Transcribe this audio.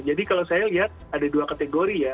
kalau saya lihat ada dua kategori ya